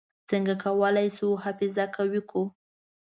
څنګه کولای شو حافظه قوي کړو؟